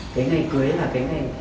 đến ngày cưới là cái ngày